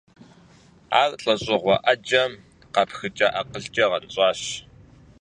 Ар лӀэщӀыгъуэ Ӏэджэм къапхыкӀа акъылкӀэ гъэнщӀащ.